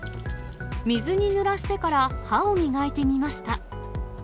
水にぬらしてから歯を磨いてみました。